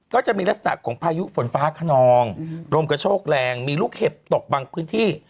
ก็จะมีลักษณะของพายุฝนฟ้าขนองลมกระโชกแรงมีลูกเห็บตกบางพื้นที่